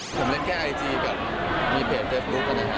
ผมเล่นแค่ไอจีแบบมีเพจเฟซบุ๊คกันนะครับ